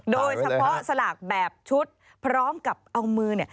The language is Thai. โดยเฉพาะสลากแบบชุดพร้อมกับเอามือ